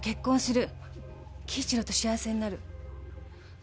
輝一郎と幸せになる。